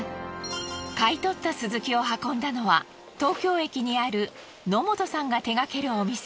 買い取ったスズキを運んだのは東京駅にある野本さんが手がけるお店。